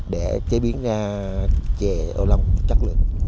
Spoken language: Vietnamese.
để chế biến ra chè ô long chất lượng